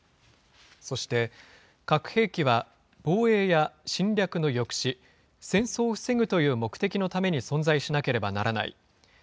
そして、核兵器は防衛や侵略の抑止、戦争を防ぐという目的のために存在しなければならない。